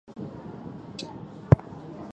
酋长系由贵族成员中选举产生。